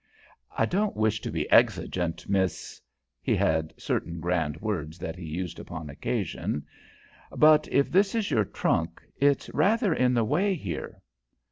"I don't wish to be exigent, Miss," he had certain grand words that he used upon occasion "but if this is your trunk, it's rather in the way here."